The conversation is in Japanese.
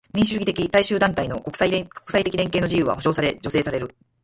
民主主義的大衆団体の国際的連携の自由は保障され助成される。